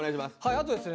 あとですね